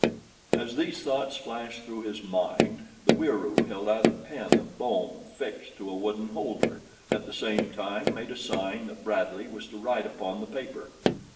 As these thoughts flashed through his mind, the Wieroo held out a pen of bone fixed to a wooden holder and at the same time made a sign that Bradley was to write upon the paper.